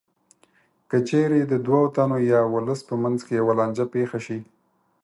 که چېرې د دوو تنو یا ولس په منځ کې یوه لانجه پېښه شي